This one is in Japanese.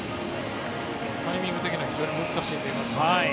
タイミング的には非常に難しいように思えますが。